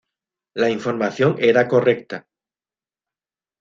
La información era correcta.